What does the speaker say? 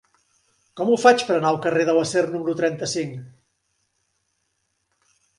Com ho faig per anar al carrer de l'Acer número trenta-cinc?